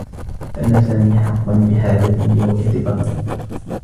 كان سامي حقّا بحاجة لرؤية طبيب.